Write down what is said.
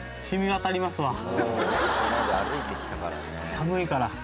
寒いから。